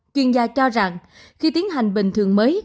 chuyên gia cho rằng khi tiến hành bình thường mới